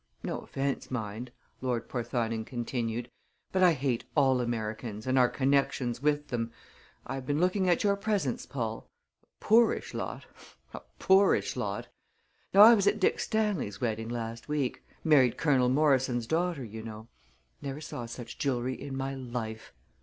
No offense, mind," Lord Porthoning continued; "but I hate all Americans and our connections with them. I have been looking at your presents, Paul. A poorish lot a poorish lot! Now I was at Dick Stanley's wedding last week married Colonel Morrison's daughter, you know. Never saw such jewelry in my life!